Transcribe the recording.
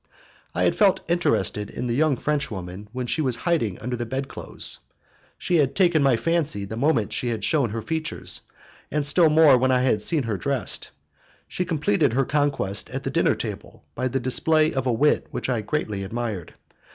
I had felt interested in the young Frenchwoman when she was hiding under the bed clothes: she had taken my fancy the moment she had shewn her features, and still more when I had seen her dressed. She completed her conquest at the dinner table by the display of a wit which I greatly admired.